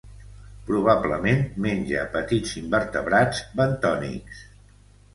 Probablement menja petits invertebrats bentònics.